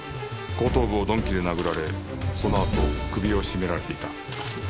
後頭部を鈍器で殴られそのあと首を絞められていた